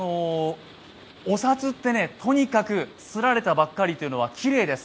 お札ってとにかく刷られたばっかりというのはきれいです。